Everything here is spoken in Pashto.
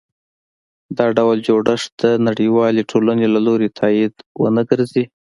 دا ډول جوړښت د نړیوالې ټولنې له لوري تایید ونه ګرځي.